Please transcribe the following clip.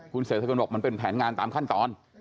เศรษฐกลบอกมันเป็นแผนงานตามขั้นตอน